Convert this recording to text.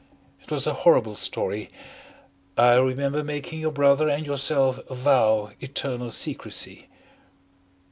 "It was a horrible story. I remember making your brother and yourself vow eternal secrecy."